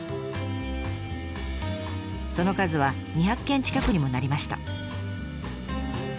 その数は２００軒近くにもなりました。